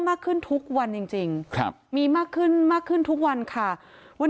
มากขึ้นทุกวันจริงจริงครับมีมากขึ้นมากขึ้นทุกวันค่ะวัน